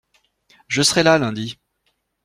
Je serai là lundi.